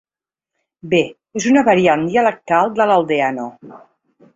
Bé, és una variant dialectal de l'aldeano.